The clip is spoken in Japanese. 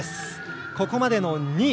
ここまでの２位。